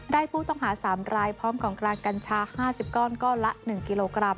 ผู้ต้องหา๓รายพร้อมของกลางกัญชา๕๐ก้อนก้อนละ๑กิโลกรัม